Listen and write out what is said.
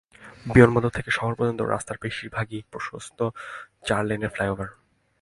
বিমানবন্দর থেকে শহর পর্যন্ত রাস্তার বেশির ভাগই প্রশস্ত চার লেনের ফ্লাইওভার।